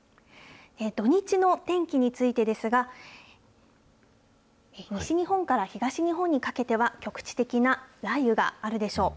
土日の天気についてですが、西日本から東日本にかけては、局地的な雷雨があるでしょう。